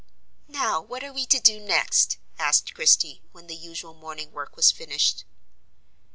"Now, what are we to do next?" asked Christie, when the usual morning work was finished.